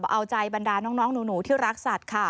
เอาใจบรรดาน้องหนูที่รักสัตว์ค่ะ